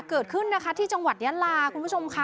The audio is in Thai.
เกิดขึ้นนะคะที่จังหวัดยาลาคุณผู้ชมค่ะ